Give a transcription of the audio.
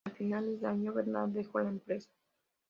A finales de año, Bernard dejó la empresa.